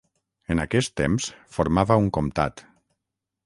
En aquest temps formava un comtat.